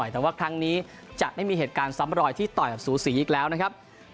แต่ว่าครั้งนี้จะไม่มีเหตุการณ์ซ้ำรอยที่ต่อยแบบสูสีอีกแล้วนะครับ